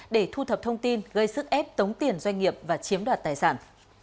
để thu thập thông tin gây sức ép tống tiền doanh nghiệp và chiếm đoạt tài sản